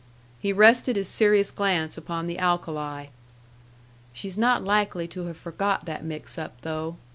He rested his serious glance upon the alkali. "She's not likely to have forgot that mix up, though.